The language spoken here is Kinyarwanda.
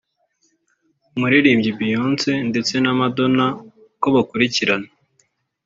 umuririrmbyi Béyonce ndetse na Madona uko bakurikirana